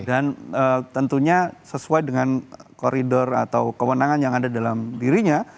dan tentunya sesuai dengan koridor atau kewenangan yang ada dalam dirinya